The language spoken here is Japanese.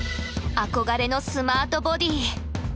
憧れのスマートボディー！